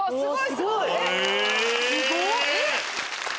すごい！